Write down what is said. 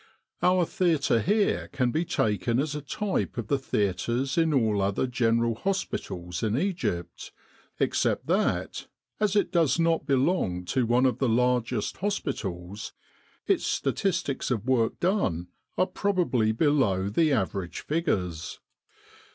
" Our theatre here can be taken as a type of the theatres in all other General Hospitals in Egypt, except that, as it does not belong to one of the largest hospitals, its statistics of work done are probably below the average figures.